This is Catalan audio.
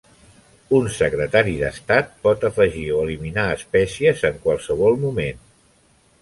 Un secretari d'estat pot afegir o eliminar espècies en qualsevol moment.